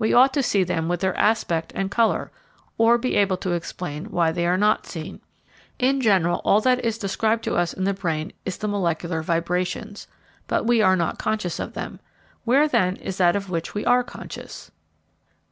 We ought to see them with their aspect and colour, or be able to explain why they are not seen. In general, all that is described to us in the brain is the molecular vibrations. But we are not conscious of them. Where, then, is that of which we are conscious?